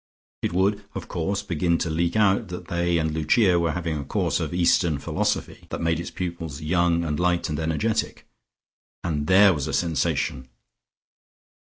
It would, of course, begin to leak out that they and Lucia were having a course of Eastern philosophy that made its pupils young and light and energetic, and there was a sensation!